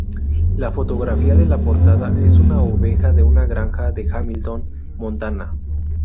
La fotografía de la portada es una oveja de una granja de Hamilton, Montana.